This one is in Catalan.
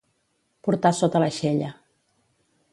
Portar sota l'aixella.